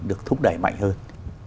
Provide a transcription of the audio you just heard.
được thúc đẩy mạnh hơn